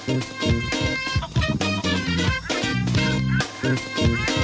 อัศวินเดศาสตรี